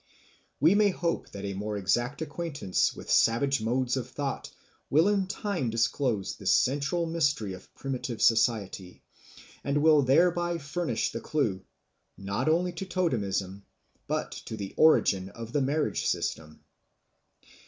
We may hope that a more exact acquaintance with savage modes of thought will in time disclose this central mystery of primitive society, and will thereby furnish the clue, not only to totemism, but to the origin of the marriage system.